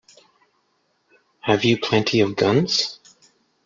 Have you plenty of guns?